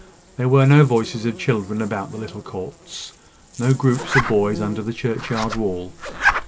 There were no voices of children about the little courts; no groups of boys under the churchyard wall.